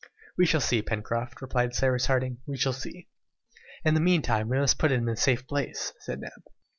"We shall see, Pencroft," replied Cyrus Harding; "we shall see." "In the meantime, we must put it in a safe place," said Neb.